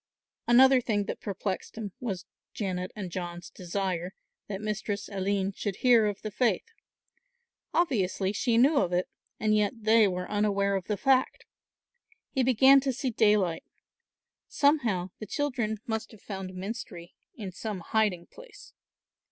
Another thing that perplexed him was Janet and John's desire that Mistress Aline should hear of the faith. Obviously, she knew of it and yet they were unaware of the fact. He began to see daylight; somehow the children must have found Menstrie in some hiding place.